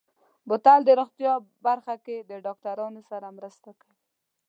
بوتل د روغتیا برخه کې د ډاکترانو سره مرسته کوي.